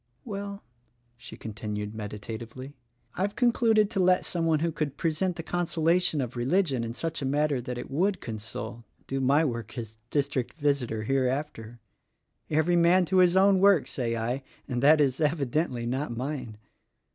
"Well," she continued meditatively, "I've concluded to let some one who could present the consolation of religion in such a manner that it would console, do my work as district visitor hereafter. Every man to his own work, say I; and that is, evidently, not mine.